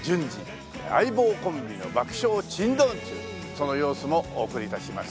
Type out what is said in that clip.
その様子もお送り致します。